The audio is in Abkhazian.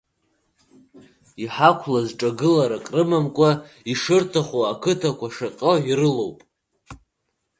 Иҳақәлаз ҿагыларак рымамкәа, ишырҭаху ақыҭақәа шьаҟьо ирылоуп!